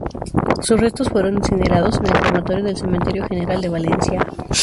Sus restos fueron incinerados en el Crematorio del Cementerio General de Valencia.